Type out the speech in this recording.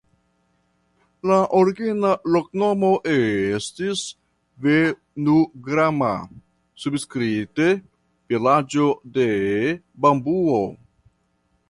La origina loknomo estis "Venugrama" (sanskrite "vilaĝo de bambuo").